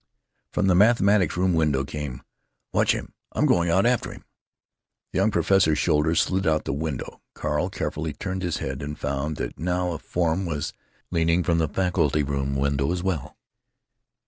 From the mathematics room window came: "Watch him. I'm going out after him." The young professor's shoulders slid out of the window. Carl carefully turned his head and found that now a form was leaning from the faculty room window as well.